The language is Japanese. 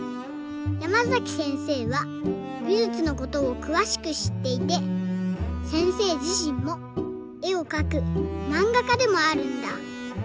ヤマザキせんせいはびじゅつのことをくわしくしっていてせんせいじしんもえをかくまんがかでもあるんだ。